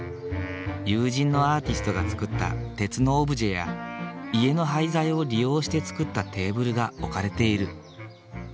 友人のアーティストが作った鉄のオブジェや家の廃材を利用して作ったテーブルが置かれている。